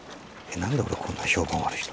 何で俺こんな評判悪いの？